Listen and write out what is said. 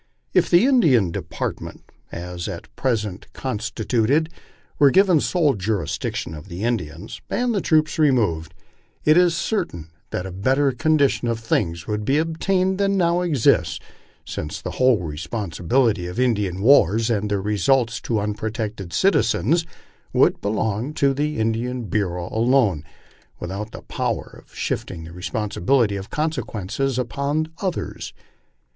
If the Indian department, as at present constituted, were given sole jurisdiction of the Indians, and the troops removed, it is certain that a better condition of things would be obtained than now exists, since the whole responsibility of In dian wars, and their results to unprotected citizens, would belong to the Indian Bureau alone, Without the power of shifting the responsibility of consequences upon others.